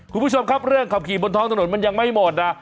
คุณผู้ชมครับเรื่องขับขี่บนท้องถนนมันยังไม่หมดนะ